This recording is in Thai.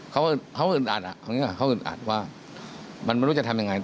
เขาอื่นอัดอ่ะเขาอื่นอัดว่ามันไม่รู้จะทำยังไง